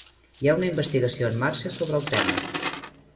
Hi ha una investigació en marxa sobre el tema.